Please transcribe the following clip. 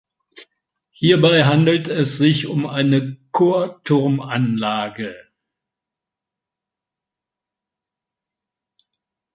Hierbei handelt es sich um eine Chorturmanlage.